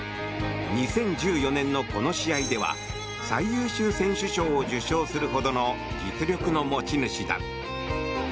２０１４年のこの試合では最優秀選手賞を受賞するほどの実力の持ち主だ。